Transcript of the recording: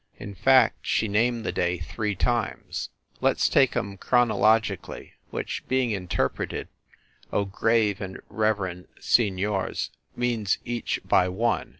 In fact, she named the day three times. Let s take em chronologically ; which, being interpreted, oh grave and reverend signiors, means each by one.